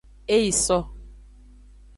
E yi so.